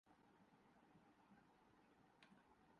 بہت سے لوگ محض اپنا وطن اپنی جان سے پیا را